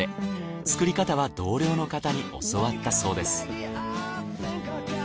作り方は同僚の方に教わったそうです。